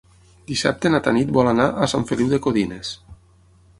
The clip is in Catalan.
Dissabte na Tanit vol anar a Sant Feliu de Codines.